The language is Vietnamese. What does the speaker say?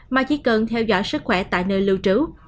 mà chỉ cần theo dõi sức khỏe tại nơi lưu trú